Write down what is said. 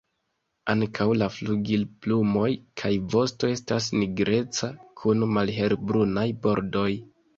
Ankaŭ la flugilplumoj kaj vosto estas nigreca kun malhelbrunaj bordoj.